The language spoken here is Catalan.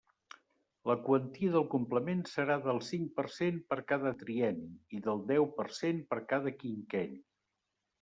La quantia del complement serà del cinc per cent per cada trienni i del deu per cent per a cada quinquenni.